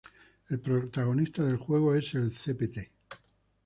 El protagonista del juego es el Cpt.